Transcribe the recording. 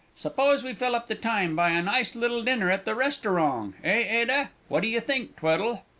Suppose we fill up the time by a nice little dinner at the Restorong eh, Ada? What do you think, Tweddle?"